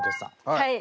はい。